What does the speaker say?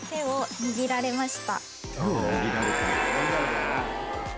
「握られた」。